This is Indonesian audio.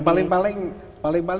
ya paling paling sebut